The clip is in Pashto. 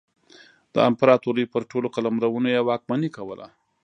د امپراتورۍ پر ټولو قلمرونو یې واکمني کوله.